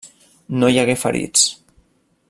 No hi hagué ferits.